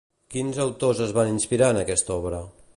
Quins autors es van inspirar en aquesta obra?